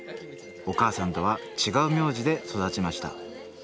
お母さんとは違う名字で育ちました